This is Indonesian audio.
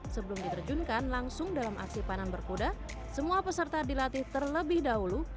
sebelum diterjunkan langsung dalam aksi panan berkuda semua peserta dilatih terlebih dahulu